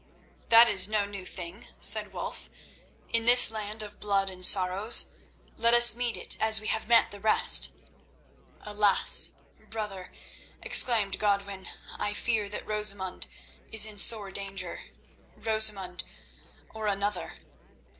"That is no new thing," said Wulf, "in this land of blood and sorrows. Let us meet it as we have met the rest." "Alas! brother," exclaimed Godwin, "I fear that Rosamund is in sore danger—Rosamund or another."